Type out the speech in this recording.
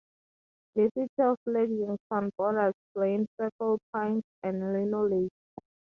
The city of Lexington borders Blaine, Circle Pines, and Lino Lakes.